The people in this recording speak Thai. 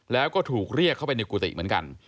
แล้วก็ถูกเรียกเข้าไปในกุฏิเหมือนกัน